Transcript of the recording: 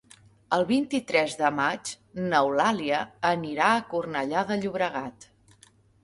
El vint-i-tres de maig n'Eulàlia anirà a Cornellà de Llobregat.